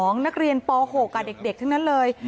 นักเรียนป๖เด็กทั้งนั้นเลย